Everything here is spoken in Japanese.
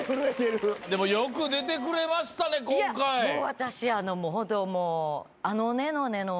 私ホントもう。